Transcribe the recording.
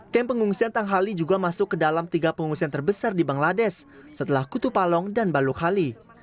kem pengungsian tanghali juga masuk ke dalam tiga pengungsian terbesar di bangladesh setelah kutupalong dan balukhali